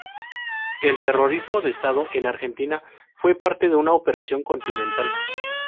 El terrorismo de Estado en Argentina fue parte de una operación continental.